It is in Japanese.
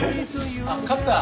あっカッター